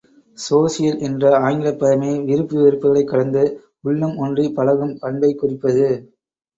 Social என்ற ஆங்கிலப் பதமே விருப்பு வெறுப்புக்களைக் கடந்து உள்ளம் ஒன்றிப் பழகும் பண்பைக் குறிப்பது.